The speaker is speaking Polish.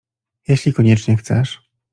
— Jeśli koniecznie chcesz.